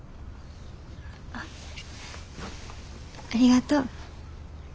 あありがとう。